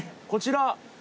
こちら。